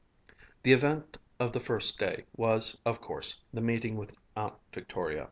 The event of the first day was, of course, the meeting with Aunt Victoria.